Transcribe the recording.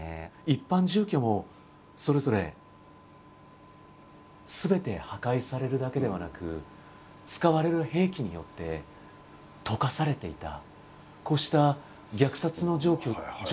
一般住居もそれぞれすべて破壊されるだけではなく使われる兵器によって溶かされていた。